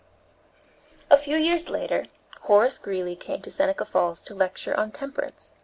A few years later, Horace Greeley came to Seneca Falls to lecture on temperance.